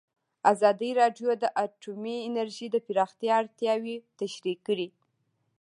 ازادي راډیو د اټومي انرژي د پراختیا اړتیاوې تشریح کړي.